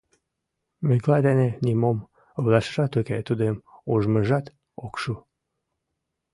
Миклай дене нимом ойлашыжат уке, тудым ужмыжат ок шу.